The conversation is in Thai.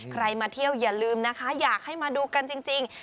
มาเที่ยวอย่าลืมนะคะอยากให้มาดูกันจริง